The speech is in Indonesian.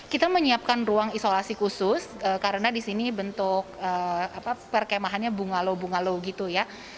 kita menyiapkan ruang isolasi khusus karena di sini bentuk perkemahannya bunga lo bunga lo gitu ya